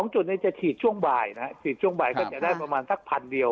จุดนี้จะฉีดช่วงบ่ายนะฮะฉีดช่วงบ่ายก็จะได้ประมาณสักพันเดียว